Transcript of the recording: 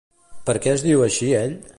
Per què es diu així ell?